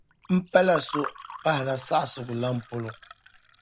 M-pala so m-pahila saɣisigu lana polo ni.